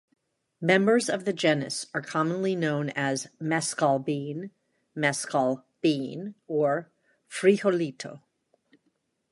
Members of the genus are commonly known as mescalbean, mescal bean or frijolito.